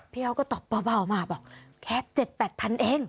เขาก็ตอบเบามาบอกแค่๗๘พันเอง